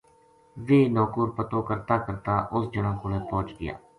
ویہ نوکر پتو کرتا کرتا اُس جنا کوڑے پوہچ گیا